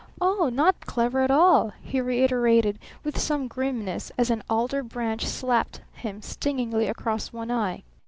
"Oh, not clever at all," he reiterated with some grimness as an alder branch slapped him stingingly across one eye.